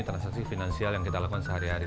transaksi finansial yang kita lakukan sehari hari